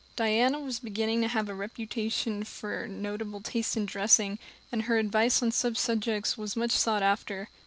Diana was beginning to have a reputation for notable taste in dressing, and her advice on such subjects was much sought after.